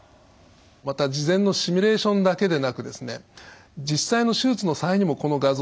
また事前のシミュレーションだけでなくですね実際の手術の際にもこの画像を使います。